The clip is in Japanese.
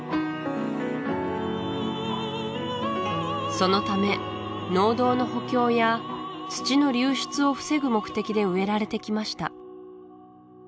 そのため農道の補強や土の流出を防ぐ目的で植えられてきました